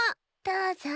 どうぞ。